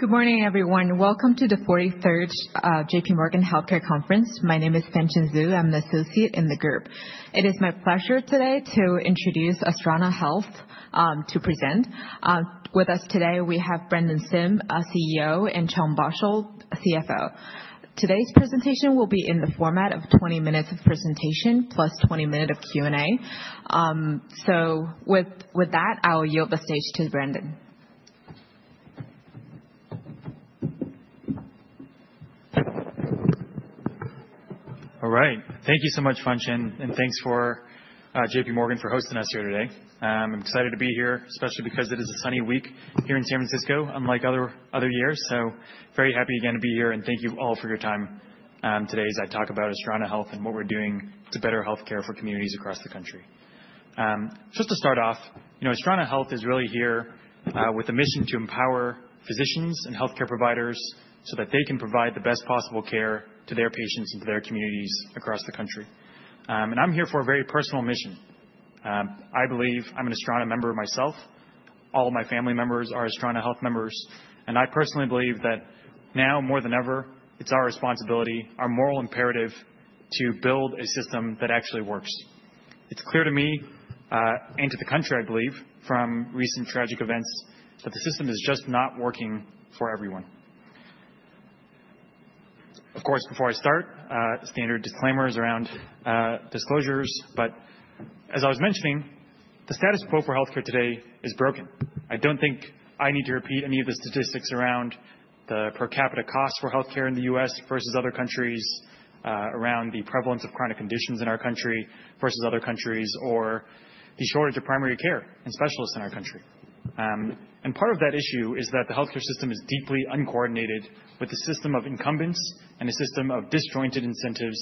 Good morning, everyone. Welcome to the 43rd JPMorgan Healthcare Conference. My name is Fanchen Zhu. I'm an associate in the group. It is my pleasure today to introduce Astrana Health to present. With us today, we have Brandon Sim, CEO, and Chan Basho, CFO. Today's presentation will be in the format of 20 minutes of presentation plus 20 minutes of Q&A. So with that, I will yield the stage to Brandon. All right. Thank you so much, Fanchen, and thanks to JPMorgan for hosting us here today. I'm excited to be here, especially because it is a sunny week here in San Francisco, unlike other years. So very happy again to be here, and thank you all for your time today as I talk about Astrana Health and what we're doing to better health care for communities across the country. Just to start off, Astrana Health is really here with a mission to empower physicians and health care providers so that they can provide the best possible care to their patients and to their communities across the country. And I'm here for a very personal mission. I believe I'm an Astrana member myself. All of my family members are Astrana Health members. And I personally believe that now more than ever, it's our responsibility, our moral imperative, to build a system that actually works. It's clear to me and to the country, I believe, from recent tragic events, that the system is just not working for everyone. Of course, before I start, standard disclaimers around disclosures. But as I was mentioning, the status quo for health care today is broken. I don't think I need to repeat any of the statistics around the per capita cost for health care in the U.S. versus other countries, around the prevalence of chronic conditions in our country versus other countries, or the shortage of primary care and specialists in our country. And part of that issue is that the health care system is deeply uncoordinated with the system of incumbents and a system of disjointed incentives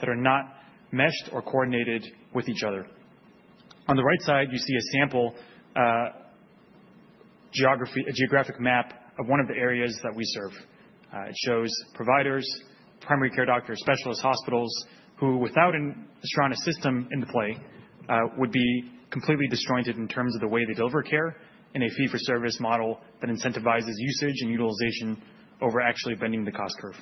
that are not meshed or coordinated with each other. On the right side, you see a sample geographic map of one of the areas that we serve. It shows providers, primary care doctors, specialists, hospitals who, without an Astrana system in play, would be completely disjointed in terms of the way they deliver care in a fee-for-service model that incentivizes usage and utilization over actually bending the cost curve.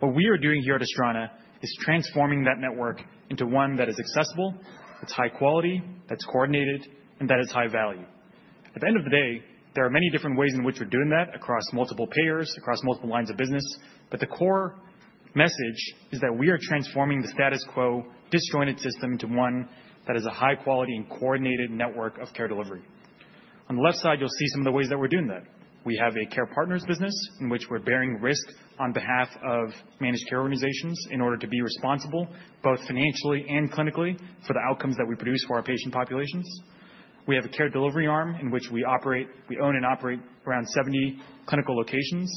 What we are doing here at Astrana is transforming that network into one that is accessible, that's high quality, that's coordinated, and that is high value. At the end of the day, there are many different ways in which we're doing that across multiple payers, across multiple lines of business. But the core message is that we are transforming the status quo disjointed system into one that is a high quality and coordinated network of care delivery. On the left side, you'll see some of the ways that we're doing that. We have a care partners business in which we're bearing risk on behalf of managed care organizations in order to be responsible both financially and clinically for the outcomes that we produce for our patient populations. We have a care delivery arm in which we operate. We own and operate around 70 clinical locations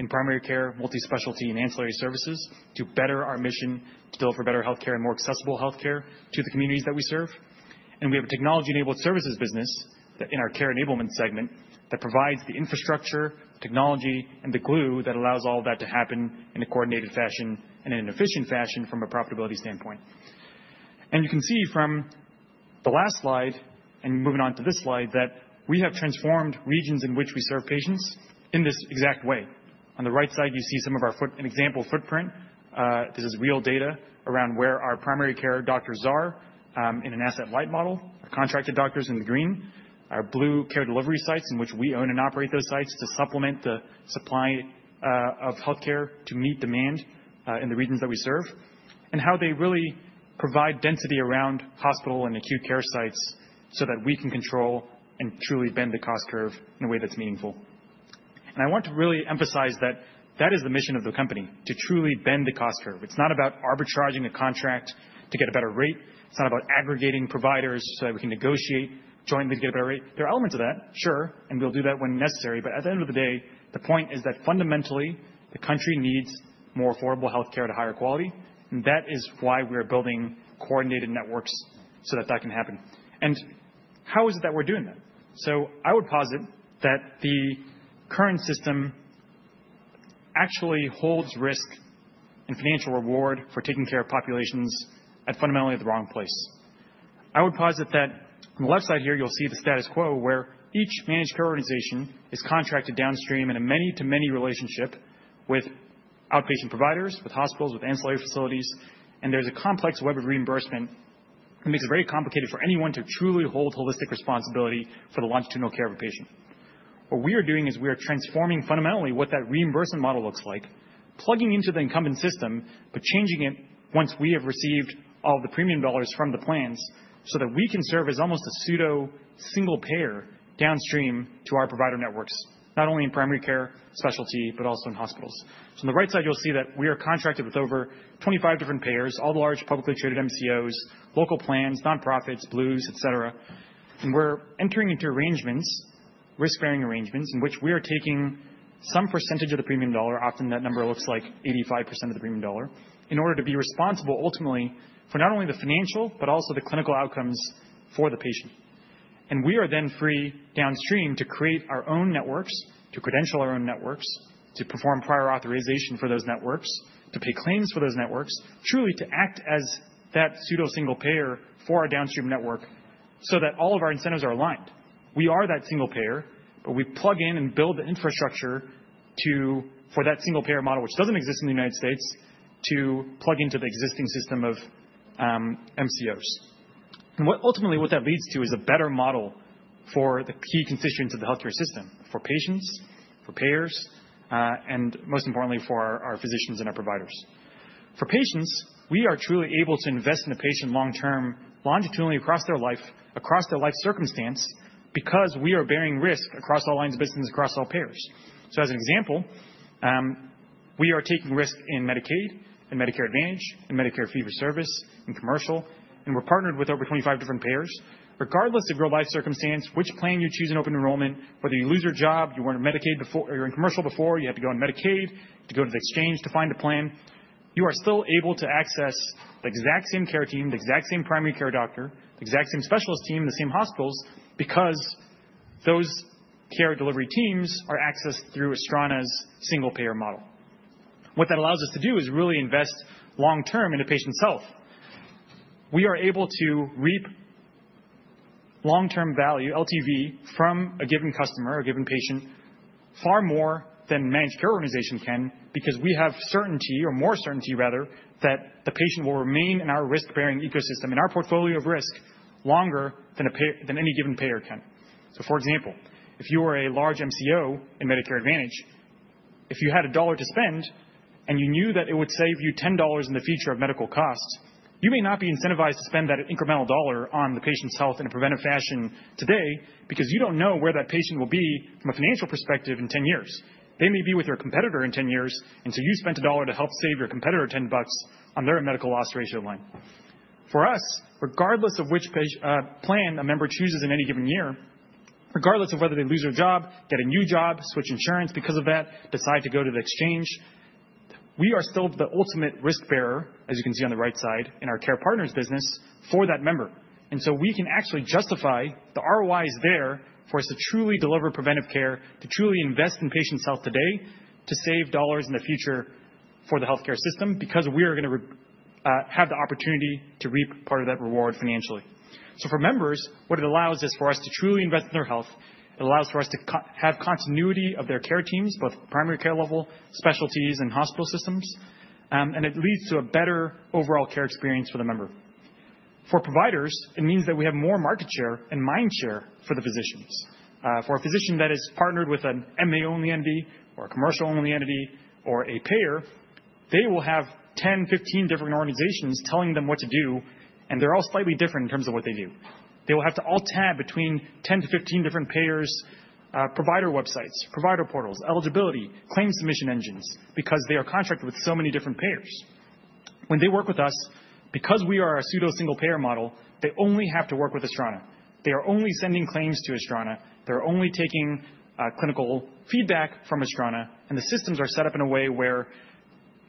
in primary care, multi-specialty, and ancillary services to better our mission to deliver better health care and more accessible health care to the communities that we serve. And we have a technology-enabled services business in our care enablement segment that provides the infrastructure, technology, and the glue that allows all of that to happen in a coordinated fashion and in an efficient fashion from a profitability standpoint. You can see from the last slide and moving on to this slide that we have transformed regions in which we serve patients in this exact way. On the right side, you see some of our example footprint. This is real data around where our primary care doctors are in an asset light model. Our contracted doctors in the green. Our blue care delivery sites in which we own and operate those sites to supplement the supply of health care to meet demand in the regions that we serve. How they really provide density around hospital and acute care sites so that we can control and truly bend the cost curve in a way that's meaningful. I want to really emphasize that that is the mission of the company, to truly bend the cost curve. It's not about arbitraging a contract to get a better rate. It's not about aggregating providers so that we can negotiate jointly to get a better rate. There are elements of that, sure, and we'll do that when necessary, but at the end of the day, the point is that fundamentally, the country needs more affordable health care at a higher quality, and that is why we are building coordinated networks so that that can happen, and how is it that we're doing that, so I would posit that the current system actually holds risk and financial reward for taking care of populations at fundamentally the wrong place. I would posit that on the left side here, you'll see the status quo where each managed care organization is contracted downstream in a many-to-many relationship with outpatient providers, with hospitals, with ancillary facilities. And there's a complex web of reimbursement that makes it very complicated for anyone to truly hold holistic responsibility for the longitudinal care of a patient. What we are doing is we are transforming fundamentally what that reimbursement model looks like, plugging into the incumbent system, but changing it once we have received all of the premium dollars from the plans so that we can serve as almost a pseudo-single payer downstream to our provider networks, not only in primary care, specialty, but also in hospitals. So on the right side, you'll see that we are contracted with over 25 different payers, all the large publicly traded MCOs, local plans, nonprofits, Blues, et cetera. We're entering into arrangements, risk-bearing arrangements, in which we are taking some percentage of the premium dollar, often that number looks like 85% of the premium dollar, in order to be responsible ultimately for not only the financial, but also the clinical outcomes for the patient. We are then free downstream to create our own networks, to credential our own networks, to perform prior authorization for those networks, to pay claims for those networks, truly to act as that pseudo-single payer for our downstream network so that all of our incentives are aligned. We are that single payer, but we plug in and build the infrastructure for that single payer model, which doesn't exist in the United States, to plug into the existing system of MCOs. Ultimately, what that leads to is a better model for the key constituents of the health care system, for patients, for payers, and most importantly, for our physicians and our providers. For patients, we are truly able to invest in the patient long-term, longitudinally across their life, across their life circumstance, because we are bearing risk across all lines of business, across all payers. As an example, we are taking risk in Medicaid, in Medicare Advantage, in Medicare Fee-for-Service, in commercial. We're partnered with over 25 different payers. Regardless of your life circumstance, which plan you choose in open enrollment, whether you lose your job, you weren't in Medicaid before, you're in commercial before, you have to go on Medicaid to go to the exchange to find a plan, you are still able to access the exact same care team, the exact same primary care doctor, the exact same specialist team, the same hospitals, because those care delivery teams are accessed through Astrana's single payer model. What that allows us to do is really invest long-term in the patient's health. We are able to reap long-term value, LTV, from a given customer, a given patient, far more than a managed care organization can, because we have certainty, or more certainty rather, that the patient will remain in our risk-bearing ecosystem, in our portfolio of risk, longer than any given payer can. So for example, if you were a large MCO in Medicare Advantage, if you had a dollar to spend and you knew that it would save you $10 in the future of medical costs, you may not be incentivized to spend that incremental dollar on the patient's health in a preventive fashion today, because you don't know where that patient will be from a financial perspective in 10 years. They may be with your competitor in 10 years, and so you spent a dollar to help save your competitor $10 on their medical loss ratio line. For us, regardless of which plan a member chooses in any given year, regardless of whether they lose their job, get a new job, switch insurance because of that, decide to go to the exchange, we are still the ultimate risk bearer, as you can see on the right side, in our Care Partners business for that member. And so we can actually justify the ROIs there for us to truly deliver preventive care, to truly invest in patients' health today, to save dollars in the future for the health care system, because we are going to have the opportunity to reap part of that reward financially. So for members, what it allows is for us to truly invest in their health. It allows for us to have continuity of their care teams, both primary care level, specialties, and hospital systems. And it leads to a better overall care experience for the member. For providers, it means that we have more market share and mind share for the physicians. For a physician that is partnered with an MA-only entity or a commercial-only entity or a payer, they will have 10, 15 different organizations telling them what to do, and they're all slightly different in terms of what they do. They will have to all tab between 10 to 15 different payers, provider websites, provider portals, eligibility, claim submission engines, because they are contracted with so many different payers. When they work with us, because we are a pseudo-single payer model, they only have to work with Astrana. They are only sending claims to Astrana. They're only taking clinical feedback from Astrana. The systems are set up in a way where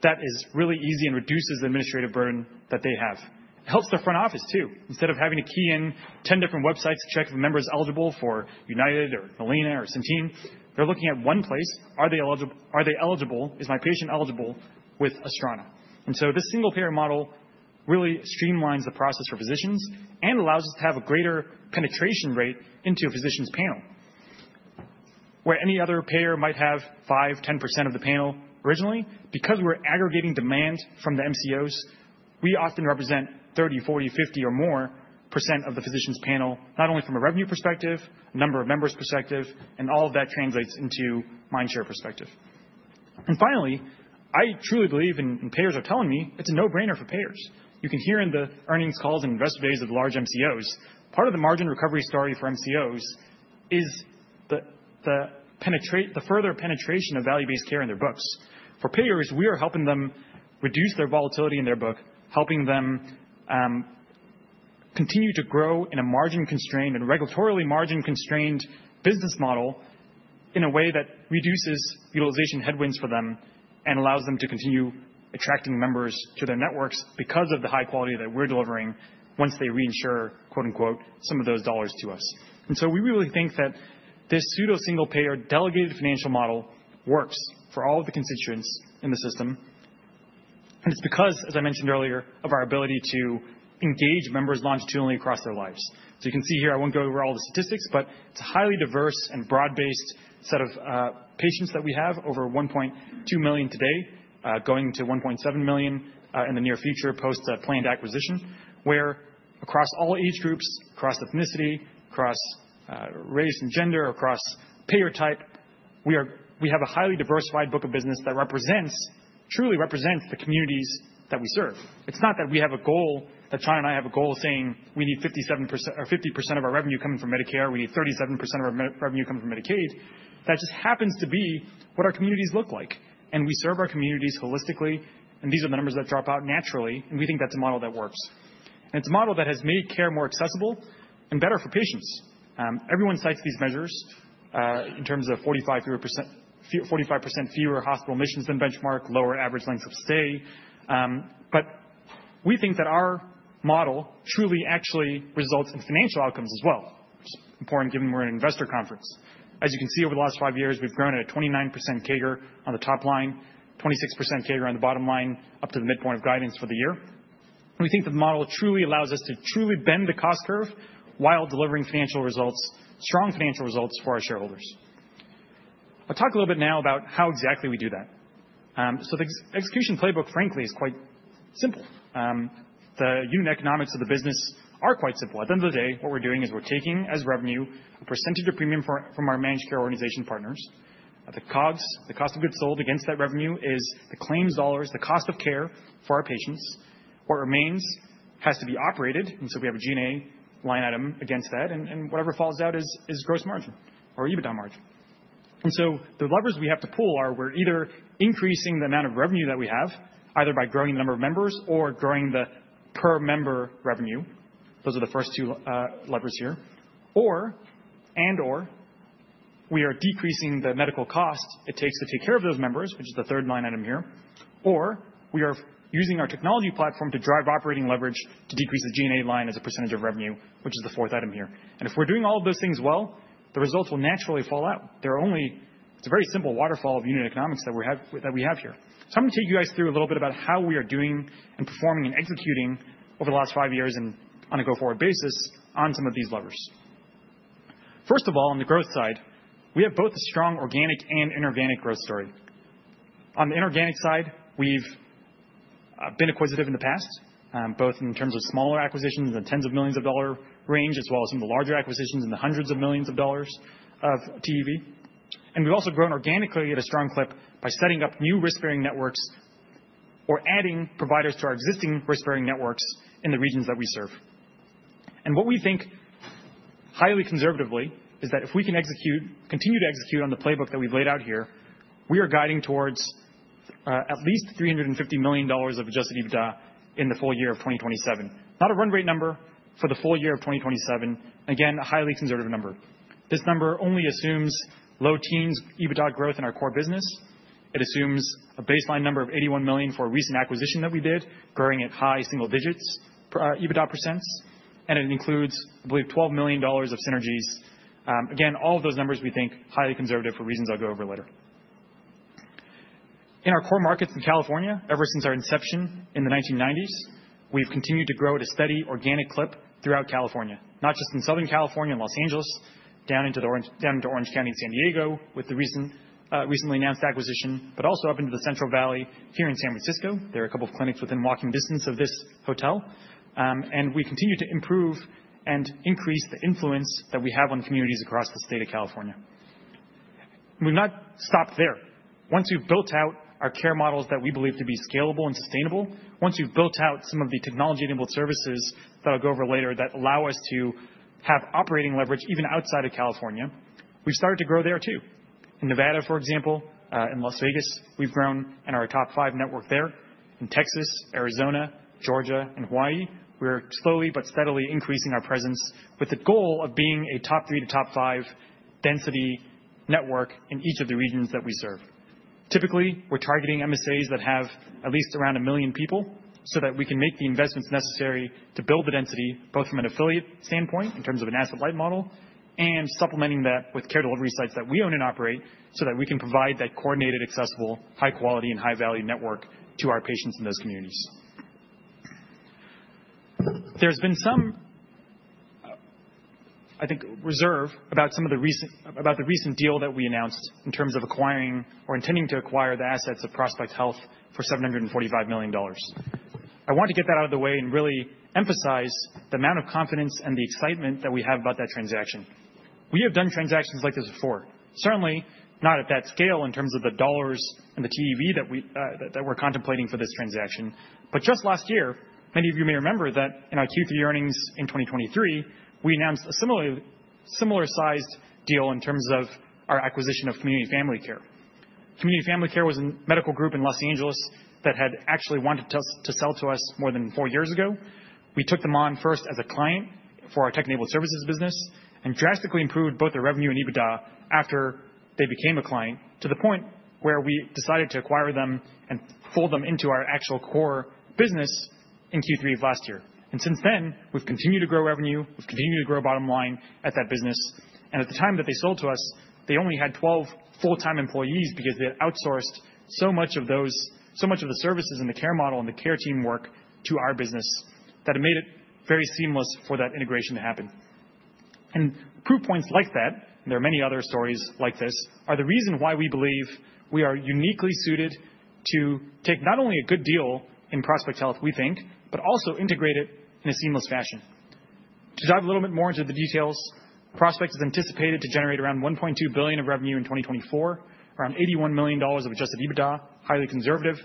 that is really easy and reduces the administrative burden that they have. It helps the front office, too. Instead of having to key in 10 different websites to check if a member is eligible for United or Molina or Centene, they're looking at one place. Are they eligible? Is my patient eligible with Astrana? And so this single payer model really streamlines the process for physicians and allows us to have a greater penetration rate into a physician's panel, where any other payer might have 5%, 10% of the panel originally. Because we're aggregating demand from the MCOs, we often represent 30%, 40%, 50% or more of the physician's panel, not only from a revenue perspective, a number of members' perspective, and all of that translates into mind share perspective. And finally, I truly believe, and payers are telling me, it's a no-brainer for payers. You can hear in the earnings calls and investor days of large MCOs, part of the margin recovery story for MCOs is the further penetration of value-based care in their books. For payers, we are helping them reduce their volatility in their book, helping them continue to grow in a margin-constrained and regulatorily margin-constrained business model in a way that reduces utilization headwinds for them and allows them to continue attracting members to their networks because of the high quality that we're delivering once they reinsure, quote unquote, some of those dollars to us. And so we really think that this pseudo-single payer delegated financial model works for all of the constituents in the system. And it's because, as I mentioned earlier, of our ability to engage members longitudinally across their lives. So you can see here. I won't go over all the statistics, but it's a highly diverse and broad-based set of patients that we have, over 1.2 million today, going to 1.7 million in the near future post-planned acquisition, where across all age groups, across ethnicity, across race and gender, across payer type, we have a highly diversified book of business that truly represents the communities that we serve. It's not that we have a goal, that Chan and I have a goal saying we need 50% of our revenue coming from Medicare, we need 37% of our revenue coming from Medicaid. That just happens to be what our communities look like. And we serve our communities holistically. And these are the numbers that drop out naturally. And we think that's a model that works. And it's a model that has made care more accessible and better for patients. Everyone cites these measures in terms of 45% fewer hospital admissions than benchmark, lower average lengths of stay. But we think that our model truly actually results in financial outcomes as well, which is important given we're in an investor conference. As you can see, over the last five years, we've grown at a 29% CAGR on the top line, 26% CAGR on the bottom line, up to the midpoint of guidance for the year. And we think that the model truly allows us to truly bend the cost curve while delivering financial results, strong financial results for our shareholders. I'll talk a little bit now about how exactly we do that. So the execution playbook, frankly, is quite simple. The unit economics of the business are quite simple. At the end of the day, what we're doing is we're taking as revenue a percentage of premium from our managed care organization partners. The COGS, the cost of goods sold against that revenue, is the claims dollars, the cost of care for our patients. What remains has to be operated, and so we have a G&A line item against that, and whatever falls out is gross margin or EBITDA margin, and so the levers we have to pull are we're either increasing the amount of revenue that we have, either by growing the number of members or growing the per member revenue, those are the first two levers here, and/or we are decreasing the medical cost it takes to take care of those members, which is the third line item here. Or we are using our technology platform to drive operating leverage to decrease the G&A line as a percentage of revenue, which is the fourth item here. And if we're doing all of those things well, the results will naturally fall out. It's a very simple waterfall of unit economics that we have here. So I'm going to take you guys through a little bit about how we are doing and performing and executing over the last five years and on a go-forward basis on some of these levers. First of all, on the growth side, we have both a strong organic and inorganic growth story. On the inorganic side, we've been acquisitive in the past, both in terms of smaller acquisitions in the tens of millions of dollars range, as well as some of the larger acquisitions in the hundreds of millions of dollars of TEV. We've also grown organically at a strong clip by setting up new risk-bearing networks or adding providers to our existing risk-bearing networks in the regions that we serve. What we think highly conservatively is that if we can continue to execute on the playbook that we've laid out here, we are guiding towards at least $350 million of Adjusted EBITDA in the full year of 2027. Not a run rate number for the full year of 2027. Again, a highly conservative number. This number only assumes low teens% EBITDA growth in our core business. It assumes a baseline number of $81 million for a recent acquisition that we did, growing at high single digits% EBITDA. It includes, I believe, $12 million of synergies. Again, all of those numbers we think highly conservative for reasons I'll go over later. In our core markets in California, ever since our inception in the 1990s, we've continued to grow at a steady organic clip throughout California, not just in Southern California and Los Angeles, down into Orange County and San Diego with the recently announced acquisition, but also up into the Central Valley here in San Francisco. There are a couple of clinics within walking distance of this hotel, and we continue to improve and increase the influence that we have on communities across the state of California, and we've not stopped there. Once we've built out our care models that we believe to be scalable and sustainable, once we've built out some of the technology-enabled services that I'll go over later that allow us to have operating leverage even outside of California, we've started to grow there, too. In Nevada, for example, in Las Vegas, we've grown in our top five network there. In Texas, Arizona, Georgia, and Hawaii, we're slowly but steadily increasing our presence with the goal of being a top three to top five density network in each of the regions that we serve. Typically, we're targeting MSAs that have at least around a million people so that we can make the investments necessary to build the density, both from an affiliate standpoint in terms of an asset light model and supplementing that with care delivery sites that we own and operate so that we can provide that coordinated, accessible, high-quality, and high-value network to our patients in those communities. There's been some, I think, reserve about the recent deal that we announced in terms of acquiring or intending to acquire the assets of Prospect Health for $745 million. I want to get that out of the way and really emphasize the amount of confidence and the excitement that we have about that transaction. We have done transactions like this before. Certainly not at that scale in terms of the dollars and the TEV that we're contemplating for this transaction. But just last year, many of you may remember that in our Q3 earnings in 2023, we announced a similar-sized deal in terms of our acquisition of Community Family Care. Community Family Care was a medical group in Los Angeles that had actually wanted to sell to us more than four years ago. We took them on first as a client for our tech-enabled services business and drastically improved both their revenue and EBITDA after they became a client to the point where we decided to acquire them and fold them into our actual core business in Q3 of last year, and since then, we've continued to grow revenue. We've continued to grow bottom line at that business, and at the time that they sold to us, they only had 12 full-time employees because they had outsourced so much of the services and the care model and the care team work to our business that it made it very seamless for that integration to happen. And proof points like that, and there are many other stories like this, are the reason why we believe we are uniquely suited to take not only a good deal in Prospect Health, we think, but also integrate it in a seamless fashion. To dive a little bit more into the details, Prospect is anticipated to generate around $1.2 billion of revenue in 2024, around $81 million of Adjusted EBITDA, highly conservative.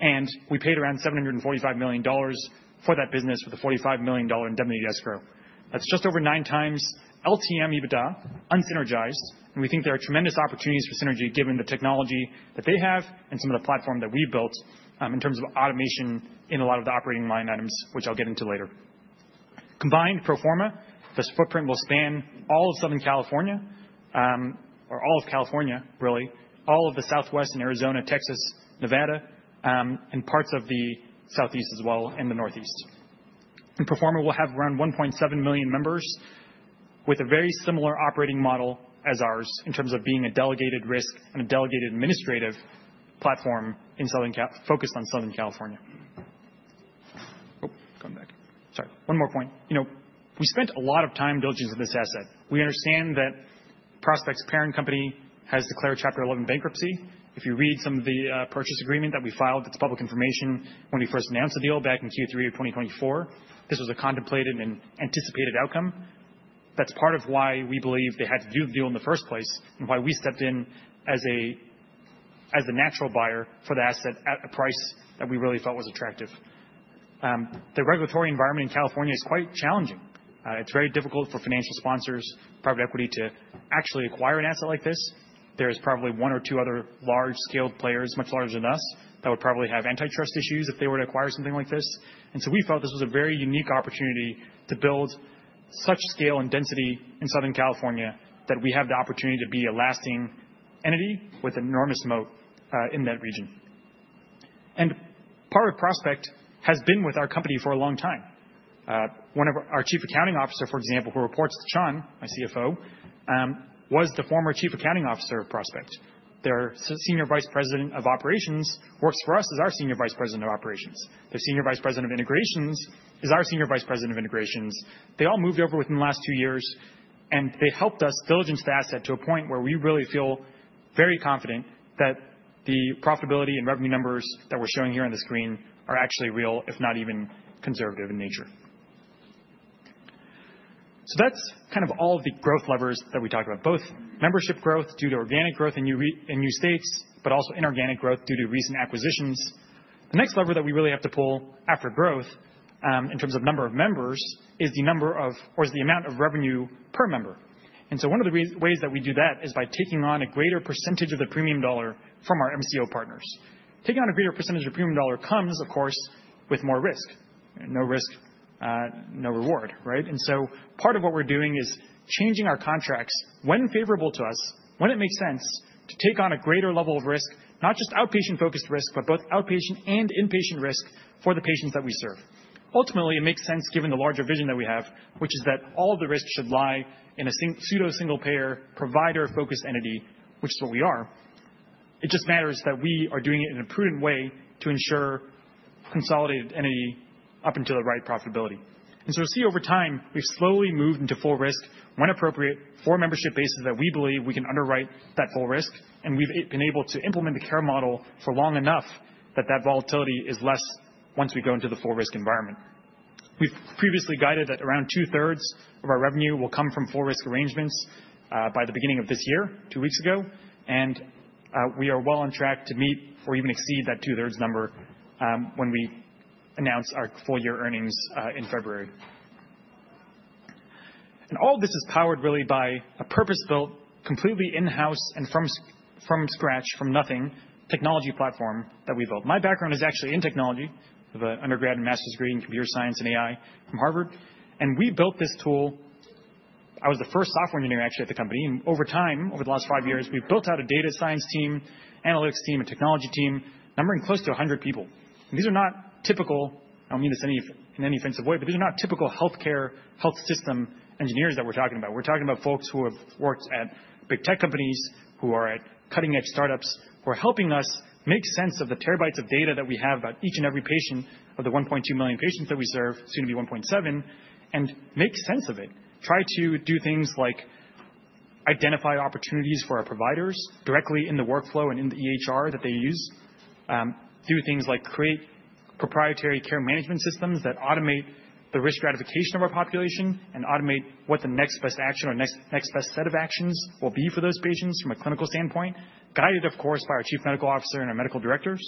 And we paid around $745 million for that business with a $45 million indemnity escrow. That's just over nine times LTM EBITDA unsynergized. And we think there are tremendous opportunities for synergy given the technology that they have and some of the platform that we've built in terms of automation in a lot of the operating line items, which I'll get into later. Combined, pro forma, this footprint will span all of Southern California or all of California, really, all of the Southwest and Arizona, Texas, Nevada, and parts of the Southeast as well in the Northeast. Pro forma, it will have around 1.7 million members with a very similar operating model as ours in terms of being a delegated risk and a delegated administrative platform focused on Southern California. Oh, going back. Sorry. One more point. We spent a lot of time due diligence on this asset. We understand that Prospect's parent company has declared Chapter 11 bankruptcy. If you read some of the purchase agreement that we filed, it's public information when we first announced the deal back in Q3 of 2024. This was a contemplated and anticipated outcome. That's part of why we believe they had to do the deal in the first place and why we stepped in as the natural buyer for the asset at a price that we really felt was attractive. The regulatory environment in California is quite challenging. It's very difficult for financial sponsors, private equity to actually acquire an asset like this. There is probably one or two other large-scaled players, much larger than us, that would probably have antitrust issues if they were to acquire something like this. And so we felt this was a very unique opportunity to build such scale and density in Southern California that we have the opportunity to be a lasting entity with enormous moat in that region. And part of Prospect has been with our company for a long time. One of our chief accounting officers, for example, who reports to Chan, my CFO, was the former chief accounting officer of Prospect. Their senior vice president of operations works for us as our senior vice president of operations. Their senior vice president of integrations is our senior vice president of integrations. They all moved over within the last two years. And they helped us diligence the asset to a point where we really feel very confident that the profitability and revenue numbers that we're showing here on the screen are actually real, if not even conservative in nature. So that's kind of all of the growth levers that we talked about, both membership growth due to organic growth in new states, but also inorganic growth due to recent acquisitions. The next lever that we really have to pull after growth in terms of number of members is the number of, or is the amount of revenue per member. And so one of the ways that we do that is by taking on a greater percentage of the premium dollar from our MCO partners. Taking on a greater percentage of premium dollar comes, of course, with more risk. No risk, no reward, right? And so part of what we're doing is changing our contracts when favorable to us, when it makes sense to take on a greater level of risk, not just outpatient-focused risk, but both outpatient and inpatient risk for the patients that we serve. Ultimately, it makes sense given the larger vision that we have, which is that all of the risk should lie in a pseudo-single-payer provider-focused entity, which is what we are. It just matters that we are doing it in a prudent way to ensure consolidated entity up until the right profitability. And so we'll see over time. We've slowly moved into full risk when appropriate for membership bases that we believe we can underwrite that full risk. And we've been able to implement the care model for long enough that that volatility is less once we go into the full risk environment. We've previously guided that around two-thirds of our revenue will come from full risk arrangements by the beginning of this year, two weeks ago. And we are well on track to meet or even exceed that two-thirds number when we announce our full year earnings in February. And all of this is powered really by a purpose-built, completely in-house and from scratch, from nothing, technology platform that we built. My background is actually in technology. I have an undergrad and master's degree in computer science and AI from Harvard, and we built this tool. I was the first software engineer actually at the company, and over time, over the last five years, we've built out a data science team, analytics team, and technology team, numbering close to 100 people. And these are not typical. I don't mean this in any offensive way, but these are not typical healthcare health system engineers that we're talking about. We're talking about folks who have worked at big tech companies, who are at cutting-edge startups, who are helping us make sense of the terabytes of data that we have about each and every patient of the 1.2 million patients that we serve, soon to be 1.7, and make sense of it. Try to do things like identify opportunities for our providers directly in the workflow and in the EHR that they use. Do things like create proprietary care management systems that automate the risk stratification of our population and automate what the next best action or next best set of actions will be for those patients from a clinical standpoint, guided, of course, by our chief medical officer and our medical directors,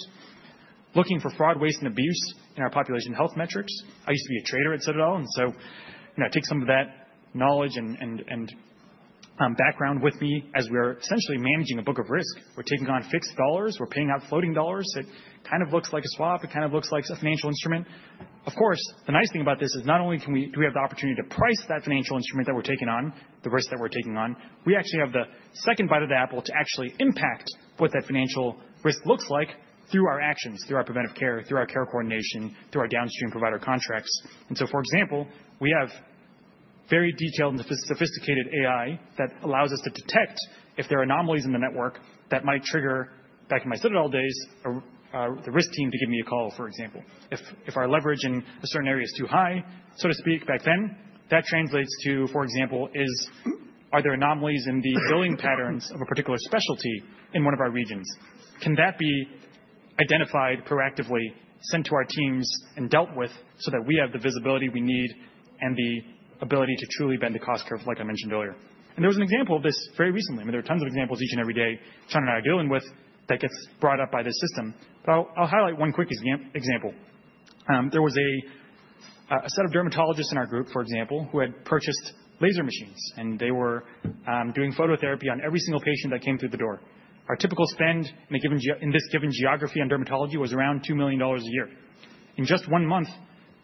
looking for fraud, waste, and abuse in our population health metrics. I used to be a trader at Citadel, and so I take some of that knowledge and background with me as we are essentially managing a book of risk. We're taking on fixed dollars. We're paying out floating dollars. It kind of looks like a swap. It kind of looks like a financial instrument. Of course, the nice thing about this is not only do we have the opportunity to price that financial instrument that we're taking on, the risk that we're taking on, we actually have the second bite of the apple to actually impact what that financial risk looks like through our actions, through our preventive care, through our care coordination, through our downstream provider contracts. And so, for example, we have very detailed and sophisticated AI that allows us to detect if there are anomalies in the network that might trigger, back in my Citadel days, the risk team to give me a call, for example. If our leverage in a certain area is too high, so to speak, back then, that translates to, for example, are there anomalies in the billing patterns of a particular specialty in one of our regions? Can that be identified proactively, sent to our teams, and dealt with so that we have the visibility we need and the ability to truly bend the cost curve, like I mentioned earlier? And there was an example of this very recently. I mean, there are tons of examples each and every day Chan and I are dealing with that gets brought up by this system. But I'll highlight one quick example. There was a set of dermatologists in our group, for example, who had purchased laser machines, and they were doing phototherapy on every single patient that came through the door. Our typical spend in this given geography on dermatology was around $2 million a year. In just one month,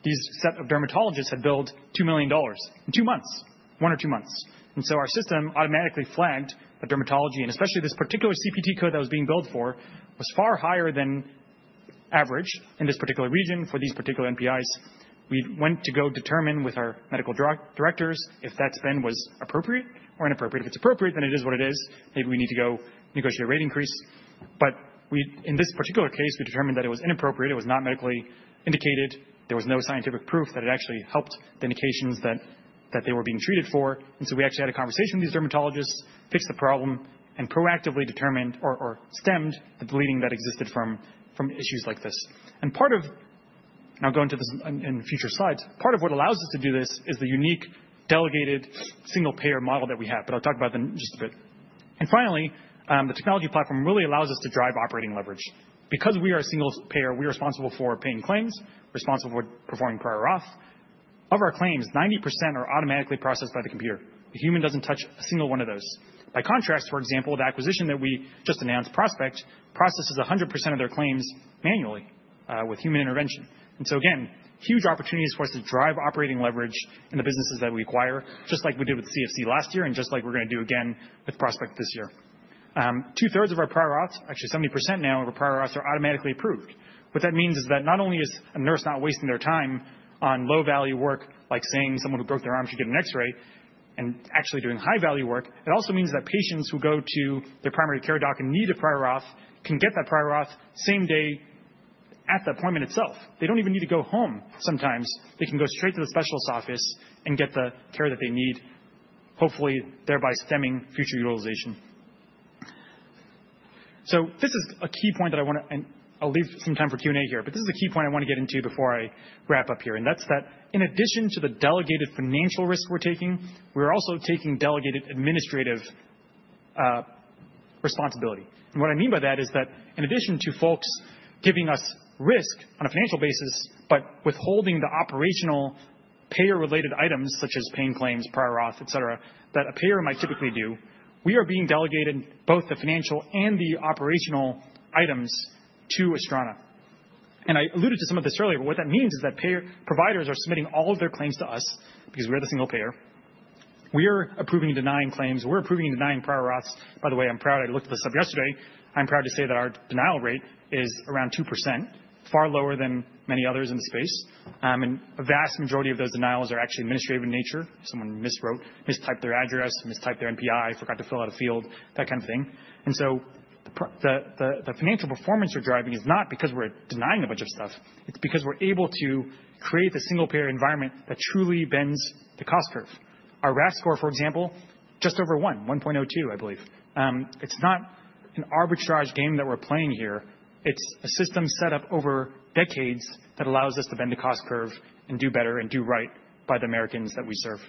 this set of dermatologists had billed $2 million in two months, one or two months. And so our system automatically flagged that dermatology, and especially this particular CPT code that was being billed for, was far higher than average in this particular region for these particular NPIs. We went to go determine with our medical directors if that spend was appropriate or inappropriate. If it's appropriate, then it is what it is. Maybe we need to go negotiate a rate increase. But in this particular case, we determined that it was inappropriate. It was not medically indicated. There was no scientific proof that it actually helped the indications that they were being treated for. And so we actually had a conversation with these dermatologists, fixed the problem, and proactively determined or stemmed the bleeding that existed from issues like this. And part of, and I'll go into this in future slides, part of what allows us to do this is the unique delegated single-payer model that we have, but I'll talk about that in just a bit. And finally, the technology platform really allows us to drive operating leverage. Because we are a single payer, we are responsible for paying claims, responsible for performing prior auth. Of our claims, 90% are automatically processed by the computer. The human doesn't touch a single one of those. By contrast, for example, the acquisition that we just announced, Prospect, processes 100% of their claims manually with human intervention. And so again, huge opportunities for us to drive operating leverage in the businesses that we acquire, just like we did with CFC last year and just like we're going to do again with Prospect this year. Two-thirds of our prior auth, actually 70% now of our prior auths are automatically approved. What that means is that not only is a nurse not wasting their time on low-value work, like saying someone who broke their arm should get an X-ray, and actually doing high-value work, it also means that patients who go to their primary care doc and need a prior auth can get that prior auth same day at the appointment itself. They don't even need to go home sometimes. They can go straight to the specialist's office and get the care that they need, hopefully thereby stemming future utilization. So this is a key point that I want to, and I'll leave some time for Q&A here, but this is a key point I want to get into before I wrap up here. And that's that in addition to the delegated financial risk we're taking, we're also taking delegated administrative responsibility. And what I mean by that is that in addition to folks giving us risk on a financial basis, but withholding the operational payer-related items such as paying claims, prior auth, etc., that a payer might typically do, we are being delegated both the financial and the operational items to Astrana. And I alluded to some of this earlier, but what that means is that payer providers are submitting all of their claims to us because we're the single payer. We are approving and denying claims. We're approving and denying prior auths. By the way, I'm proud. I looked this up yesterday. I'm proud to say that our denial rate is around 2%, far lower than many others in the space. A vast majority of those denials are actually administrative in nature. Someone miswrote, mistyped their address, mistyped their NPI, forgot to fill out a field, that kind of thing. The financial performance we're driving is not because we're denying a bunch of stuff. It's because we're able to create the single-payer environment that truly bends the cost curve. Our RAF score, for example, just over one, 1.02, I believe. It's not an arbitrage game that we're playing here. It's a system set up over decades that allows us to bend the cost curve and do better and do right by the Americans that we serve.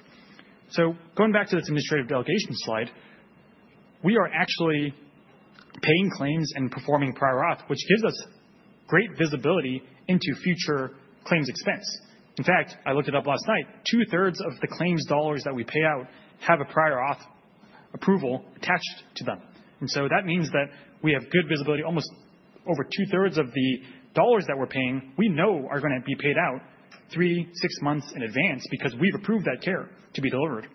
Going back to this administrative delegation slide, we are actually paying claims and performing prior auth, which gives us great visibility into future claims expense. In fact, I looked it up last night. Two-thirds of the claims dollars that we pay out have a prior auth approval attached to them, and so that means that we have good visibility. Almost over two-thirds of the dollars that we're paying, we know are going to be paid out three, six months in advance because we've approved that care to be delivered.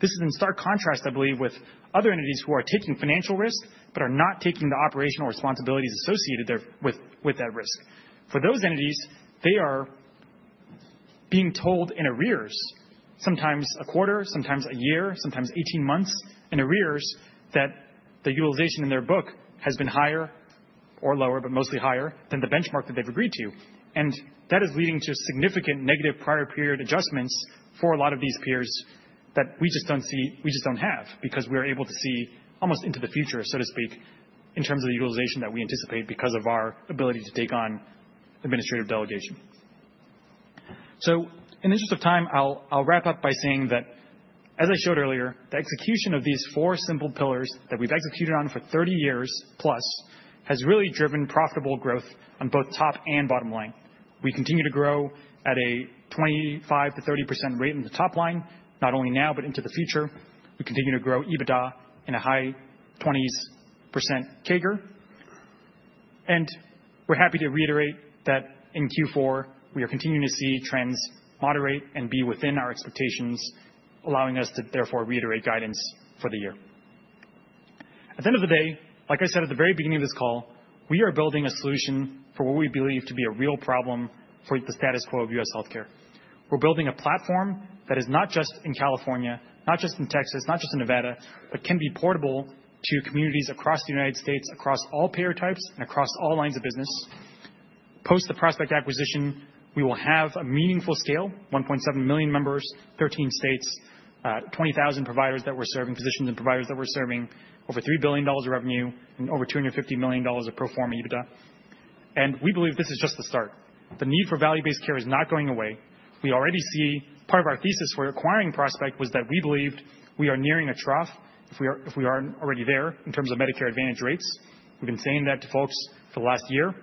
This is in stark contrast, I believe, with other entities who are taking financial risk but are not taking the operational responsibilities associated with that risk. For those entities, they are being told in arrears, sometimes a quarter, sometimes a year, sometimes 18 months in arrears that the utilization in their book has been higher or lower, but mostly higher than the benchmark that they've agreed to. And that is leading to significant negative prior period adjustments for a lot of these peers that we just don't see, we just don't have because we are able to see almost into the future, so to speak, in terms of the utilization that we anticipate because of our ability to take on administrative delegation. So in the interest of time, I'll wrap up by saying that, as I showed earlier, the execution of these four simple pillars that we've executed on for 30 years plus has really driven profitable growth on both top and bottom line. We continue to grow at a 25%-30% rate in the top line, not only now, but into the future. We continue to grow EBITDA in a high 20% CAGR. We're happy to reiterate that in Q4, we are continuing to see trends moderate and be within our expectations, allowing us to therefore reiterate guidance for the year. At the end of the day, like I said at the very beginning of this call, we are building a solution for what we believe to be a real problem for the status quo of U.S. healthcare. We're building a platform that is not just in California, not just in Texas, not just in Nevada, but can be portable to communities across the United States, across all payer types, and across all lines of business. Post the Prospect acquisition, we will have a meaningful scale, 1.7 million members, 13 states, 20,000 providers that we're serving, physicians and providers that we're serving, over $3 billion of revenue and over $250 million of pro forma EBITDA. We believe this is just the start. The need for value-based care is not going away. We already see part of our thesis for acquiring Prospect was that we believed we are nearing a trough if we are already there in terms of Medicare Advantage rates. We've been saying that to folks for the last year.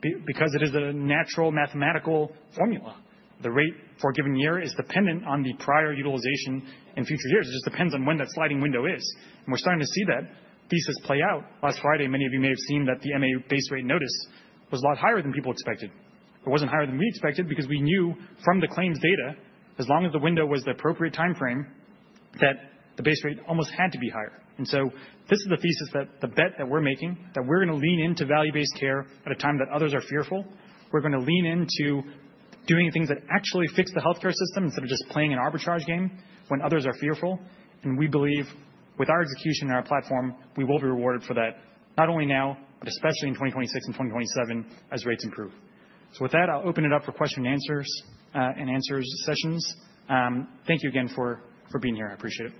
Because it is a natural mathematical formula, the rate for a given year is dependent on the prior utilization in future years. It just depends on when that sliding window is. We're starting to see that thesis play out. Last Friday, many of you may have seen that the MA base rate notice was a lot higher than people expected. It wasn't higher than we expected because we knew from the claims data, as long as the window was the appropriate time frame, that the base rate almost had to be higher. And so this is the thesis that the bet that we're making, that we're going to lean into value-based care at a time that others are fearful. We're going to lean into doing things that actually fix the healthcare system instead of just playing an arbitrage game when others are fearful. And we believe with our execution and our platform, we will be rewarded for that, not only now, but especially in 2026 and 2027 as rates improve. So with that, I'll open it up for question and answers sessions. Thank you again for being here. I appreciate it.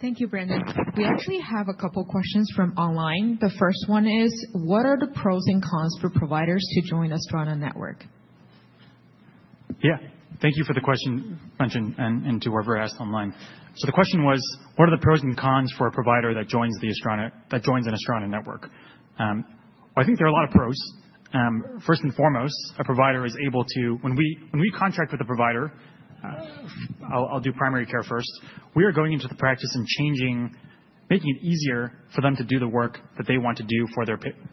Thank you, Brandon. We actually have a couple of questions from online. The first one is, what are the pros and cons for providers to join Astrana network? Yeah. Thank you for the question, Brandon, and to whoever asked online. So the question was, what are the pros and cons for a provider that joins an Astrana network? I think there are a lot of pros. First and foremost, a provider is able to, when we contract with a provider, I'll do primary care first, we are going into the practice and changing, making it easier for them to do the work that they want to do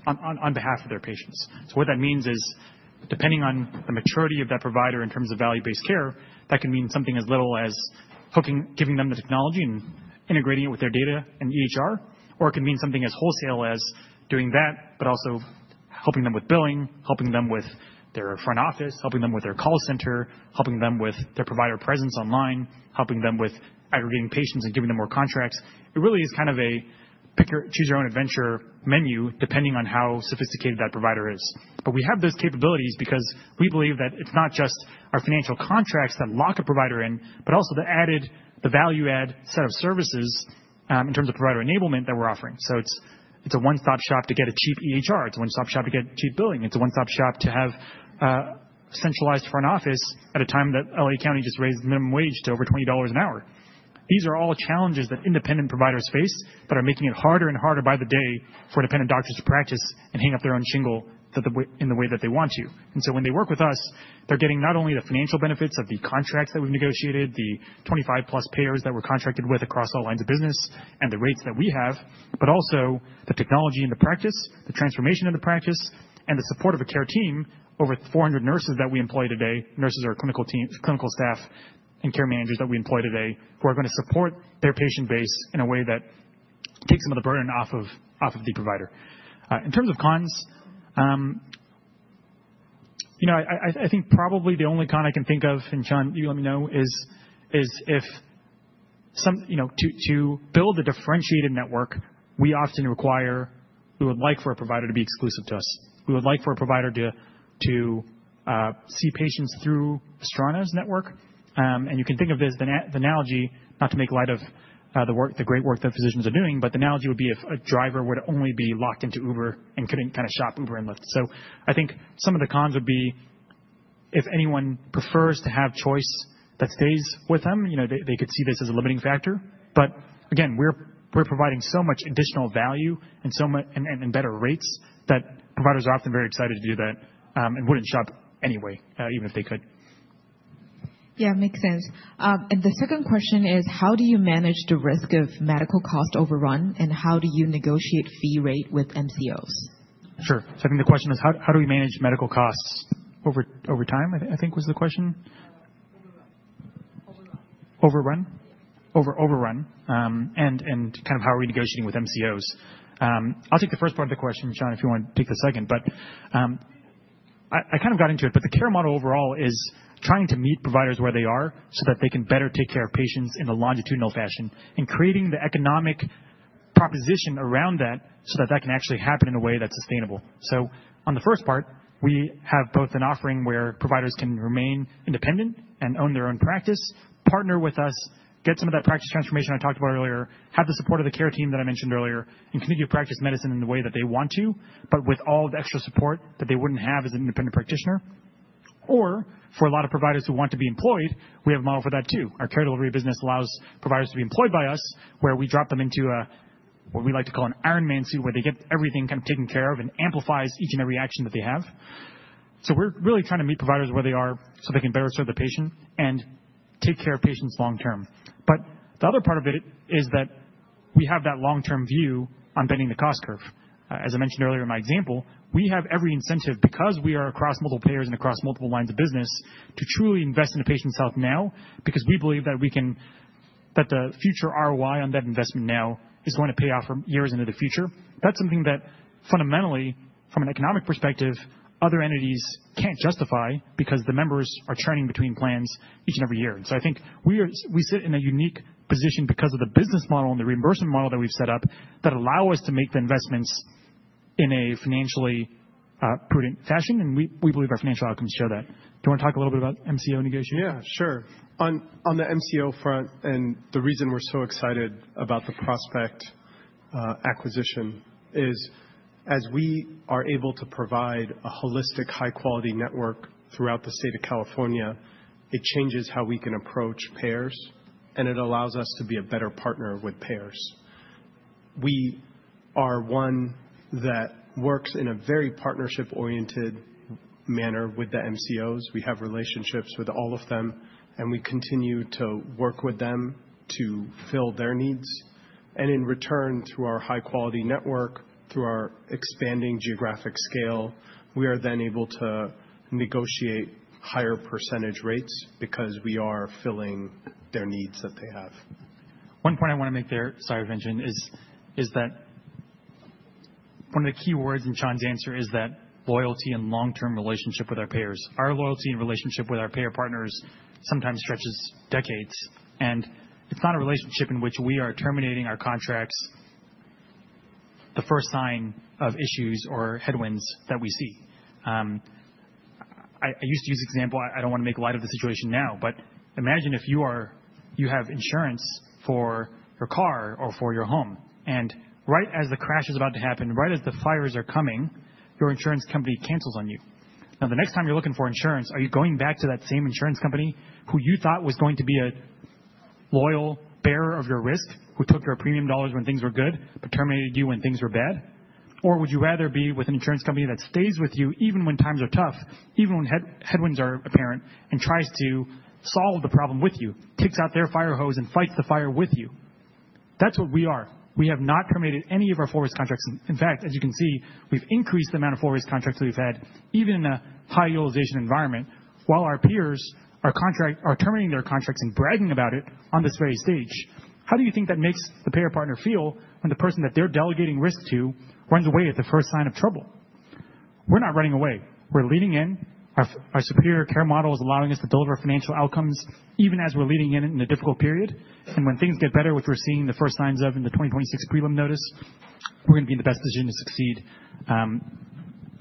on behalf of their patients. So what that means is, depending on the maturity of that provider in terms of value-based care, that can mean something as little as giving them the technology and integrating it with their data and EHR, or it can mean something as wholesale as doing that, but also helping them with billing, helping them with their front office, helping them with their call center, helping them with their provider presence online, helping them with aggregating patients and giving them more contracts. It really is kind of a pick your choose your own adventure menu depending on how sophisticated that provider is. But we have those capabilities because we believe that it's not just our financial contracts that lock a provider in, but also the added, the value-add set of services in terms of provider enablement that we're offering. So it's a one-stop shop to get a cheap EHR. It's a one-stop shop to get cheap billing. It's a one-stop shop to have a centralized front office at a time that LA County just raised minimum wage to over $20 an hour. These are all challenges that independent providers face that are making it harder and harder by the day for independent doctors to practice and hang up their own shingle in the way that they want to. And so when they work with us, they're getting not only the financial benefits of the contracts that we've negotiated, the 25+ payers that we're contracted with across all lines of business and the rates that we have, but also the technology and the practice, the transformation of the practice, and the support of a care team over 400 nurses that we employ today, nurses or clinical staff and care managers that we employ today, who are going to support their patient base in a way that takes some of the burden off of the provider. In terms of cons, I think probably the only con I can think of, and Chan, you let me know, is if to build a differentiated network, we often require, we would like for a provider to be exclusive to us. We would like for a provider to see patients through Astrana's network. You can think of the analogy not to make light of the great work that physicians are doing, but the analogy would be if a driver were to only be locked into Uber and couldn't kind of shop Uber and Lyft. I think some of the cons would be if anyone prefers to have choice that stays with them, they could see this as a limiting factor. Again, we're providing so much additional value and better rates that providers are often very excited to do that and wouldn't shop anyway, even if they could. Yeah, makes sense, and the second question is, how do you manage the risk of medical cost overrun and how do you negotiate fee rate with MCOs? Sure. So I think the question is, how do we manage medical costs over time? Overrun? Over, overrun. And kind of how are we negotiating with MCOs? I'll take the first part of the question, Chan, if you want to take the second, but I kind of got into it, but the care model overall is trying to meet providers where they are so that they can better take care of patients in a longitudinal fashion and creating the economic proposition around that so that that can actually happen in a way that's sustainable. So on the first part, we have both an offering where providers can remain independent and own their own practice, partner with us, get some of that practice transformation I talked about earlier, have the support of the care team that I mentioned earlier, and continue to practice medicine in the way that they want to, but with all the extra support that they wouldn't have as an independent practitioner. Or for a lot of providers who want to be employed, we have a model for that too. Our care delivery business allows providers to be employed by us where we drop them into what we like to call an Iron Man suit where they get everything kind of taken care of and amplifies each and every action that they have. So we're really trying to meet providers where they are so they can better serve the patient and take care of patients long-term. But the other part of it is that we have that long-term view on bending the cost curve. As I mentioned earlier in my example, we have every incentive because we are across multiple payers and across multiple lines of business to truly invest in the patient's health now because we believe that the future ROI on that investment now is going to pay off years into the future. That's something that fundamentally, from an economic perspective, other entities can't justify because the members are churning between plans each and every year. And so I think we sit in a unique position because of the business model and the reimbursement model that we've set up that allow us to make the investments in a financially prudent fashion, and we believe our financial outcomes show that. Do you want to talk a little bit about MCO negotiation? Yeah, sure. On the MCO front, and the reason we're so excited about the Prospect acquisition is as we are able to provide a holistic high-quality network throughout the state of California, it changes how we can approach payers, and it allows us to be a better partner with payers. We are one that works in a very partnership-oriented manner with the MCOs. We have relationships with all of them, and we continue to work with them to fill their needs. And in return, through our high-quality network, through our expanding geographic scale, we are then able to negotiate higher percentage rates because we are filling their needs that they have. One point I want to make there, mentioned, is that one of the key words in Chan's answer is that loyalty and long-term relationship with our payers. Our loyalty and relationship with our payer partners sometimes stretches decades, and it's not a relationship in which we are terminating our contracts the first sign of issues or headwinds that we see. I used to use the example, I don't want to make light of the situation now, but imagine if you have insurance for your car or for your home, and right as the crash is about to happen, right as the fires are coming, your insurance company cancels on you. Now, the next time you're looking for insurance, are you going back to that same insurance company who you thought was going to be a loyal bearer of your risk, who took your premium dollars when things were good, but terminated you when things were bad? Or would you rather be with an insurance company that stays with you even when times are tough, even when headwinds are apparent, and tries to solve the problem with you, kicks out their fire hose and fights the fire with you? That's what we are. We have not terminated any of our forward contracts. In fact, as you can see, we've increased the amount of forward contracts that we've had, even in a high utilization environment, while our peers are terminating their contracts and bragging about it on this very stage. How do you think that makes the payer partner feel when the person that they're delegating risk to runs away at the first sign of trouble? We're not running away. We're leaning in. Our superior care model is allowing us to deliver financial outcomes even as we're leading in a difficult period. And when things get better, which we're seeing the first signs of in the 2026 Prelim Notice, we're going to be in the best position to succeed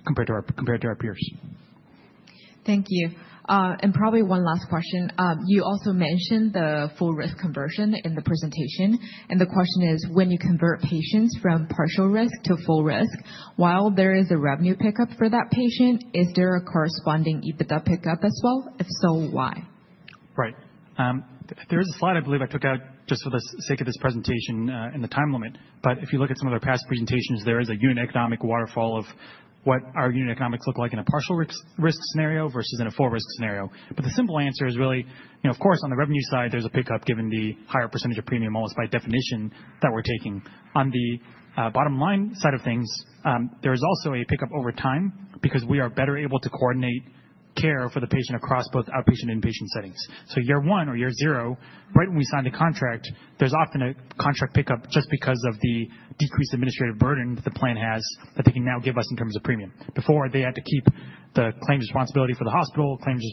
compared to our peers. Thank you. And probably one last question. You also mentioned the full risk conversion in the presentation. And the question is, when you convert patients from partial risk to full risk, while there is a revenue pickup for that patient, is there a corresponding EBITDA pickup as well? If so, why? Right. There is a slide I believe I took out just for the sake of this presentation in the time limit, but if you look at some of their past presentations, there is a unit economics waterfall of what our unit economics look like in a partial risk scenario versus in a full risk scenario. But the simple answer is really, of course, on the revenue side, there's a pickup given the higher percentage of premium almost by definition that we're taking. On the bottom line side of things, there is also a pickup over time because we are better able to coordinate care for the patient across both outpatient and inpatient settings. So year one or year zero, right when we sign the contract, there's often a contract pickup just because of the decreased administrative burden that the plan has that they can now give us in terms of premium. Before, they had to keep the claims responsibility for the hospital, claims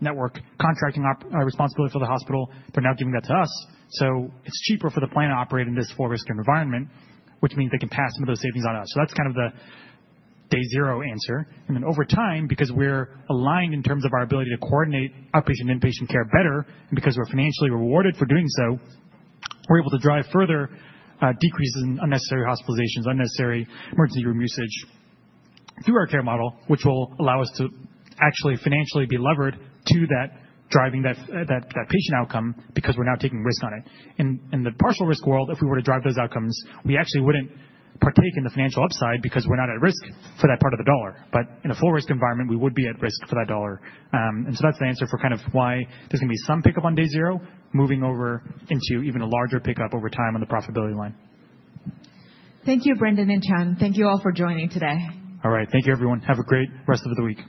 network contracting responsibility for the hospital. They're now giving that to us. So it's cheaper for the plan to operate in this full risk environment, which means they can pass some of those savings on us. So that's kind of the day zero answer. Over time, because we're aligned in terms of our ability to coordinate outpatient and inpatient care better, and because we're financially rewarded for doing so, we're able to drive further decreases in unnecessary hospitalizations, unnecessary emergency room usage through our care model, which will allow us to actually financially be levered to that driving that patient outcome because we're now taking risk on it. In the partial risk world, if we were to drive those outcomes, we actually wouldn't partake in the financial upside because we're not at risk for that part of the dollar. But in a full risk environment, we would be at risk for that dollar. And so that's the answer for kind of why there's going to be some pickup on day zero, moving over into even a larger pickup over time on the profitability line. Thank you, Brandon and Chan. Thank you all for joining today. All right. Thank you, everyone. Have a great rest of the week.